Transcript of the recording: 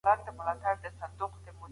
فکر د پرېکړې لارښوونه کوي.